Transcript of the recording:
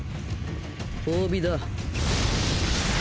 褒美だ。